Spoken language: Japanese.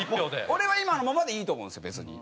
俺は今のままでいいと思うんですよ別に。